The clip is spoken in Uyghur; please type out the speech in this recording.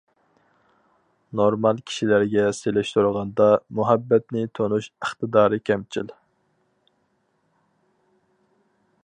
نورمال كىشىلەرگە سېلىشتۇرغاندا، مۇھەببەتنى تونۇش ئىقتىدارى كەمچىل.